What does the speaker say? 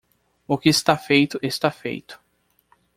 O que está feito está feito